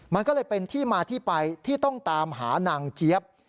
มันก็เลยเป็นที่มาที่ไปที่ต้องตามหานางเจี๊ยบ